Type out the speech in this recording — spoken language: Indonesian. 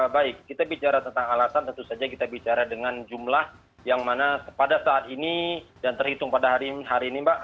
baik kita bicara tentang alasan tentu saja kita bicara dengan jumlah yang mana pada saat ini dan terhitung pada hari ini mbak